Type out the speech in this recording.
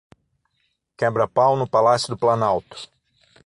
Quebra-pau no Palácio do Planalto